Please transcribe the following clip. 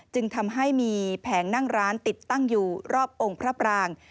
จึงทำให้มีแผงนั่งร้านติดตั้งอยู่รอบองค์พระปราง